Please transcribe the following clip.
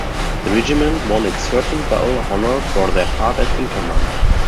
The "regiment" won its thirteenth battle honour for their part at Inkerman.